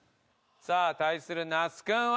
さあ対する那須君は？